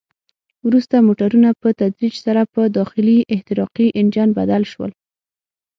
وروسته موټرونه په تدریج سره په داخلي احتراقي انجن بدل شول.